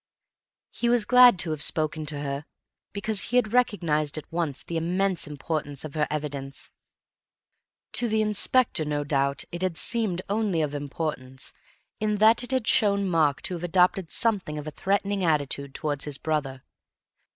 He was glad to have spoken to her, because he had recognized at once the immense importance of her evidence. To the Inspector no doubt it had seemed only of importance in that it had shown Mark to have adopted something of a threatening attitude towards his brother.